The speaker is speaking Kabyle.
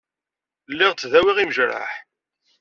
Lliɣ ttdawiɣ imejraḥ.